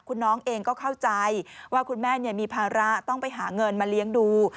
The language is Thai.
คุณน้องเองก็เข้าใจว่าคุณแม่มีภาระต้องไปหาเงินมาเลี้ยงดู